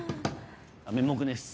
面目ねえっす。